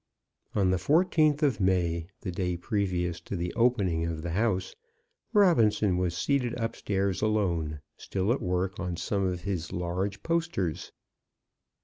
On the fourteenth of May, the day previous to the opening of the house, Robinson was seated upstairs alone, still at work on some of his large posters.